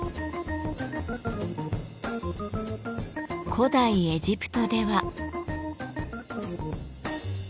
古代エジプトでは。